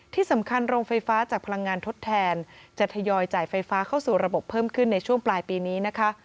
ที่สำคัญโรงไฟฟ้าจากพลังงานทดแทนจะทยอยจ่ายไฟฟ้าเข้าสู่ระบบเพิ่มขึ้นในช่วงปลายปีนี้นะคะ